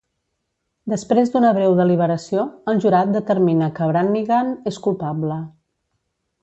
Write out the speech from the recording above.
Després d'una breu deliberació, el jurat determina que Brannigan és culpable.